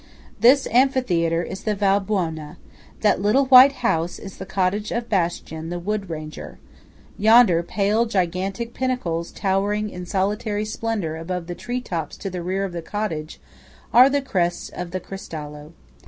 This amphitheatre is the Val Buona; that little white house is the cottage of Bastian the wood ranger; yonder pale gigantic pinnacles towering in solitary splendour above the tree tops to the rear of the cottage, are the crests of the Cristallo.